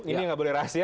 ini nggak boleh rahasia